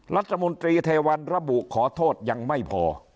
รัฐมนตรีเทวันระบุขอโทษยังไม่พอ